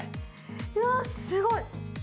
うわー、すごい。